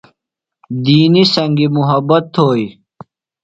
دینیۡ سنگیۡ محبت تھوئی